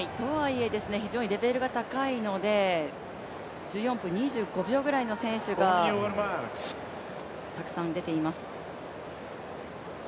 非常にレベルが高いので、１４分２５秒くらいの選手がたくさん出ています。